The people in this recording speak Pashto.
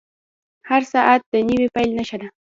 • هر ساعت د نوې پیل نښه ده.